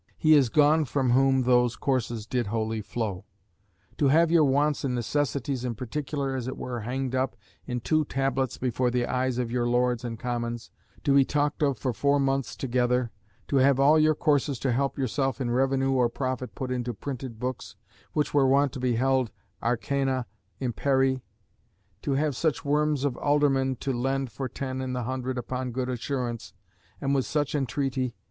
He is gone from whom those courses did wholly flow. To have your wants and necessities in particular as it were hanged up in two tablets before the eyes of your lords and commons, to be talked of for four months together; To have all your courses to help yourself in revenue or profit put into printed books, which were wont to be held arcana imperii; To have such worms of aldermen to lend for ten in the hundred upon good assurance, and with such entreaty